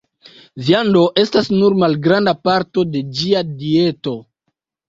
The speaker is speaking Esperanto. Viando estas nur malgranda parto de ĝia dieto.